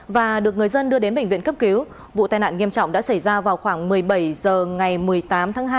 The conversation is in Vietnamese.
và được người dân đưa đến bệnh viện cấp cứu vụ tai nạn nghiêm trọng đã xảy ra vào khoảng một mươi bảy h ngày một mươi tám tháng hai